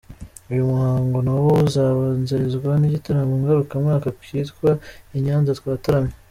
Uyu muhango na wo uzabanzirizwa n’igitaramo ngarukamwaka kitwa ’I Nyanza Twataramye’.